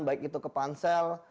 baik itu ke pansel